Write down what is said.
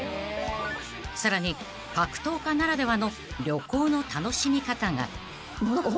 ［さらに格闘家ならではの旅行の楽しみ方が］